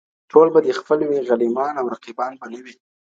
ټول به دي خپل وي غلیمان او رقیبان به نه وي.